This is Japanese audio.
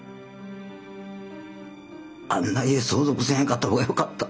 あんな家相続せえへんかった方がよかった。